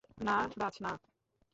না রাজ, না।